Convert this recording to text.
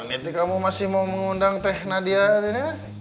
nanti kamu masih mau mengundang teh nadia ini